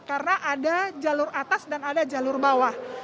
karena ada jalur atas dan ada jalur bawah